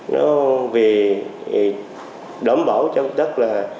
nó vì đảm bảo cho công tác là